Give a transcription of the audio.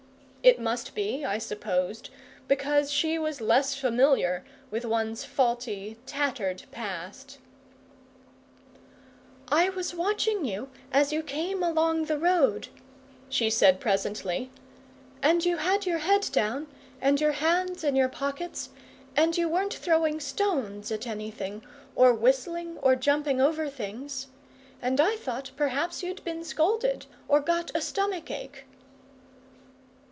It must be, I supposed, because she was less familiar with one's faulty, tattered past. "I was watching you as you came along the road," she said presently, "and you had your head down and your hands in your pockets, and you weren't throwing stones at anything, or whistling, or jumping over things; and I thought perhaps you'd bin scolded, or got a stomach ache."